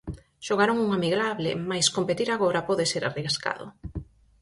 Xogaron un amigable, mais competir agora, pode ser arriscado.